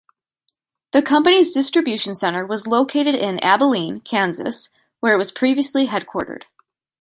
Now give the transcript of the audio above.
The company's distribution center was located in Abilene, Kansas, where it was previously headquartered.